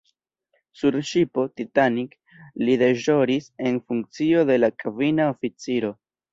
Sur ŝipo "Titanic" li deĵoris en funkcio de la kvina oficiro.